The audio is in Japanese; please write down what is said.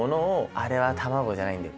「あれは卵じゃないんだよ